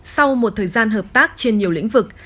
sau một thời gian hợp tác trên nhiều lĩnh vực